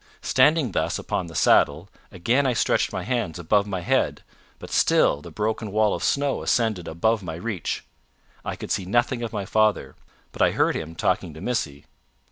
Standing thus upon the saddle, again I stretched my hands above my head, but still the broken wall of snow ascended above my reach. I could see nothing of my father, but I heard him talking to Missy.